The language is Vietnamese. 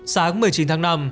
sáng một mươi chín tháng năm